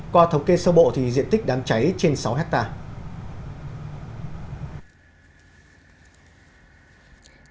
qua thống kê sơ bộ thì diện tích đám cháy trên sáu hectare